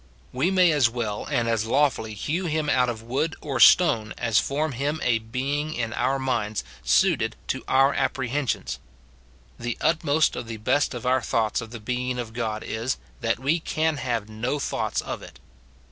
We may as well and as lawfully hew him out of wood or stone as form him a being in our minds, suited to our apprehensions. The utmost of the best of our thoughts of the being of God is, that we can have no thoughts of it.